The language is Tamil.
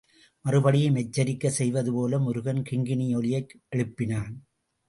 மறுபடியும் எச்சரிக்கை செய்வதுபோல முருகன் கிங்கிணியொலியை எழுப்பினான்.